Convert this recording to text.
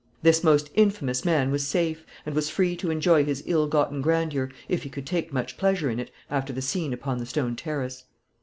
This most infamous man was safe; and was free to enjoy his ill gotten grandeur if he could take much pleasure in it, after the scene upon the stone terrace.